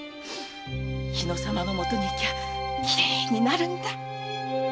日野様のもとに行きゃきれいになるんだ！